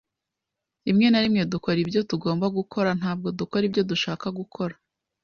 Rimwe na rimwe dukora ibyo tugomba gukora, ntabwo dukora ibyo dushaka gukora.